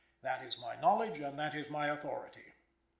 That is my knowledge and that is my authority."